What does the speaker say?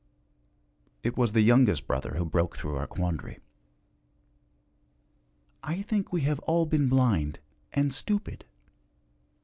It was the youngest brother who broke through our quandary. 'I think we have all been blind and stupid!